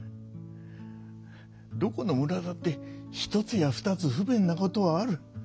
どこの村だってひとつやふたつ不便なことはある。